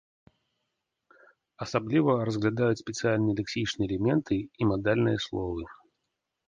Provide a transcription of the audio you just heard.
Асабліва разглядаюць спецыяльныя лексічныя элементы і мадальныя словы.